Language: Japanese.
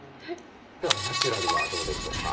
ではナチュラルはどうでしょうか？